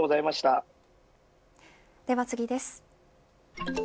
では次です。